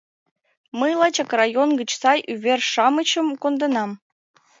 Мый лачак район гыч сай увер-шамычым конденам.